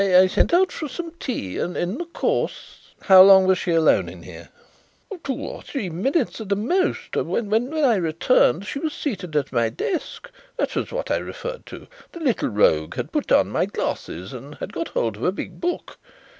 I sent out for some tea, and in the course " "How long was she alone in here?" "Two or three minutes at the most. When I returned she was seated at my desk. That was what I referred to. The little rogue had put on my glasses and had got hold of a big book.